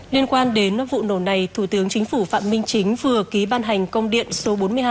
liên quan đến vụ nổ này thủ tướng chính phủ phạm minh chính vừa ký ban hành công điện số bốn mươi hai